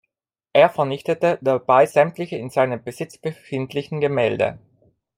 Er vernichtete dabei sämtliche in seinem Besitz befindlichen Gemälde.